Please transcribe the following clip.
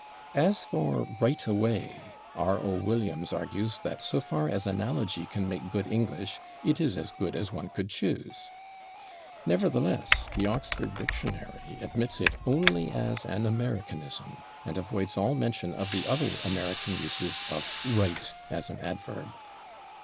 As for /right away/, R. O. Williams argues that "so far as analogy can make good English, it is as good as one could choose." Nevertheless, the Oxford Dictionary admits it only as an Americanism, and avoids all mention of the other American uses of /right/ as an adverb.